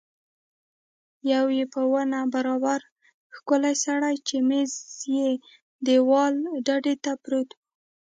یو په ونه برابر ښکلی سړی چې مېز یې دېواله ډډې ته پروت و.